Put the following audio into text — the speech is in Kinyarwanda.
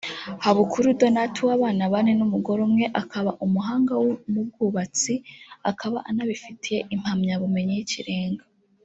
Habukuri Donat w’abana bane n’umugore umwe akaba umuhanga mu bwubatsi akaba anabifitiye impamyabumenyi y’ikirenga